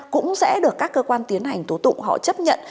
cũng sẽ được các cơ quan tiến hành tố tụng họ chấp nhận